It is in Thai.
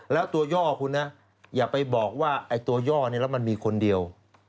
แล้วตัวย่อของคุณนะอย่าไปบอกว่าตัวย่อนี่มันมีคนเดียว